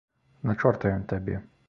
На чорта ён табе.